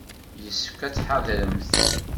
Yessefk ad tḥadremt.